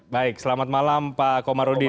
baik selamat malam pak komarudin